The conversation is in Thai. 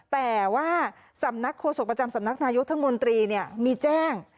แต่ว่าสำนักโฆษกประจำสำนักนายกรัฐมนตรีมีแจ้ง